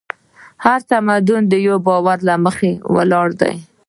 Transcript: هر تمدن د یوه باور له مخې ولاړ دی.